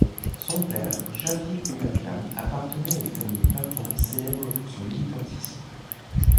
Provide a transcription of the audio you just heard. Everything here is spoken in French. Son père, Shafiq Ullah Khan appartenait à une famille pathan célèbre pour son militantisme.